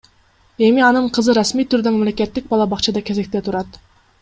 Эми анын кызы расмий түрдө мамлекеттик бала бакчада кезекте турат.